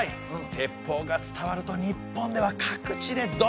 鉄砲が伝わると日本では各地でどんどん。